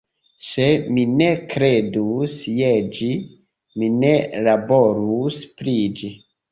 Se mi ne kredus je ĝi, mi ne laborus pri ĝi.